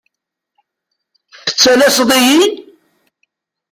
Tettalaseḍ-iyi?